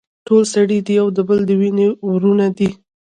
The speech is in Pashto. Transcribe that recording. ټول سړي د يو بل د وينې وروڼه دي.